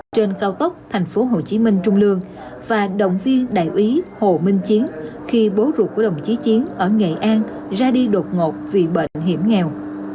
trên cao tốc tp hcm trung lương và động viên đại úy hồ minh chiến khi bố ruột của đồng chí chiến ở nghệ an ra đi đột ngột vì bệnh hiểm nghèo